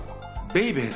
ベイベー？